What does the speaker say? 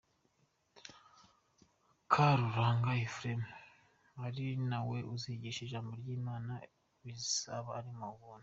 Karuranga Ephrem, ari nawe uzigisha ijambo ry’Imana bizaba ari ubuntu.